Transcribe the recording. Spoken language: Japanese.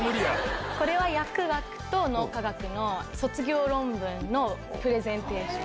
これは薬学と脳科学の卒業論文のプレゼンテーション。